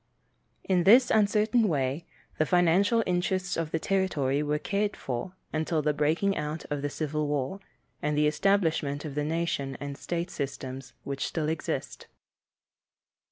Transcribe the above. In this uncertain way, the financial interests of the territory were cared for until the breaking out of the Civil War, and the establishment of the national and state systems which still exist.